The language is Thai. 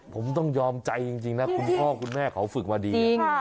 ผมต้องยอมใจจริงนะคุณพ่อคุณแม่เขาฝึกมาดี